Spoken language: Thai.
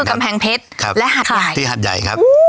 ก็คือกำแหงเพชรครับและหาดใหญ่ที่หาดใหญ่ครับอู้ว